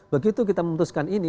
begitu kita memutuskan ini